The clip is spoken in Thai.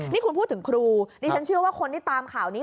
นี่คุณพูดถึงครูดิฉันเชื่อว่าคนที่ตามข่าวนี้